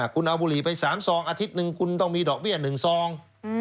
คุณเอาบุหรี่ไป๓ซองอาทิตย์หนึ่งคุณต้องมีดอกเบี้ย๑ซอง